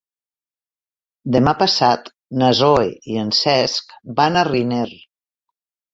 Demà passat na Zoè i en Cesc van a Riner.